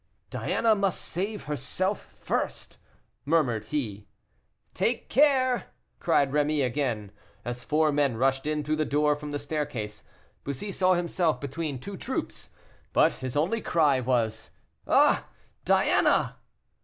"Diana must save herself first," murmured he. "Take care," cried Rémy again, as four men rushed in through the door from the staircase. Bussy saw himself between two troops, but his only cry was, "Ah! Diana!"